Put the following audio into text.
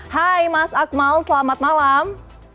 hai mas akmal selamat malam